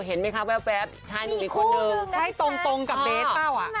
เห็นไหมคะแววแป๊บใช่นี่มีคนหนึ่งใช่ตรงตรงกับเบสเปล่าอ่ะ